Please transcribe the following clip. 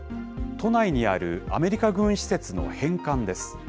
都内にあるアメリカ軍施設の返還です。